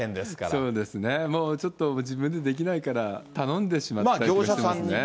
そうですね、もう、ちょっと自分でできないから、頼んでしまったりしますね。